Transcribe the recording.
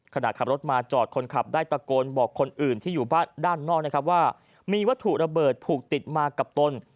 ขณะขับรถมาจอดคนขับได้ตะโกนบอกคนอื่นที่อยู่บ้านด้านนอกนะครับว่ามีวัตถุระเบิดผูกติดมากับตน